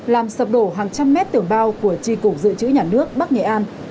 làm sập đổ hàng trăm mét tường bao của tri cục dự trữ nhà nước bắc nghệ an